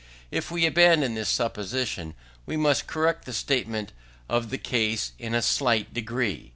If we abandon this supposition, we must correct the statement of the case in a slight degree.